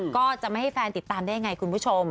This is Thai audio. ก็จะไม่ให้แฟนติดตามได้ยังไงคุณผู้ชม